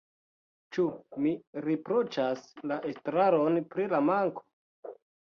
Ĉu mi riproĉas la estraron pri la manko?